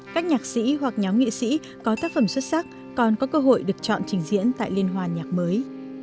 các nhạc sĩ hoặc nhóm nghệ sĩ có tác phẩm xuất sắc còn có cơ hội được chọn trình diễn tại liên hoàn nhạc mới